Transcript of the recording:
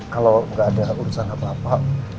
kalau nggak ada urusan apa apa